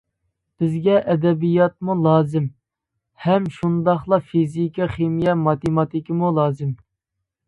بىزگە ئەدەبىياتمۇ لازىم، ھەم شۇنداقلا فىزىكا، خىمىيە، ماتېماتىكىمۇ لازىم.